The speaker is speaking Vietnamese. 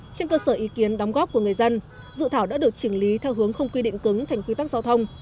trên cơ sở ý kiến đóng góp của người dân dự thảo đã được chỉnh lý theo hướng không quy định cứng thành quy tắc giao thông